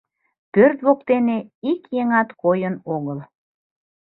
Пӧрт воктене ик еҥат койын огыл.